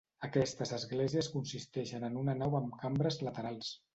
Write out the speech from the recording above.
Aquestes esglésies consistien en una nau amb cambres laterals.